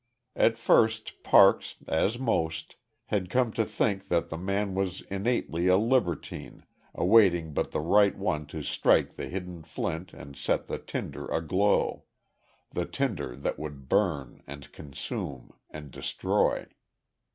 At first Parks, as most, had come to think that the man was innately a libertine, awaiting but the right one to strike the hidden flint and set the tinder aglow the tinder that would burn, and consume, and destroy.